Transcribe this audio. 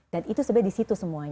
dan itu sebenarnya di situ semuanya